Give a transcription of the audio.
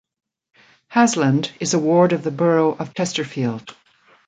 Hasland is a ward of the Borough of Chesterfield.